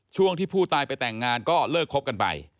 ช่วงที่ผู้ตายไปแต่งงานก็เลิกคบกันไป